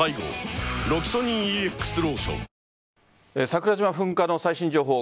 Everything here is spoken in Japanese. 桜島噴火の最新情報。